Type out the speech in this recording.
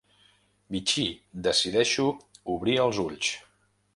Vichy, decideixo obrir els ulls.